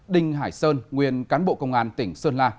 đinh hải sơn nguyên cán bộ công an tỉnh sơn la